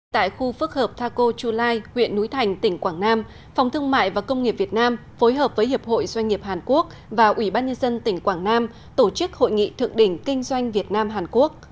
tại khu phức hợp thaco chu lai huyện núi thành tỉnh quảng nam phòng thương mại và công nghiệp việt nam phối hợp với hiệp hội doanh nghiệp hàn quốc và ủy ban nhân dân tỉnh quảng nam tổ chức hội nghị thượng đỉnh kinh doanh việt nam hàn quốc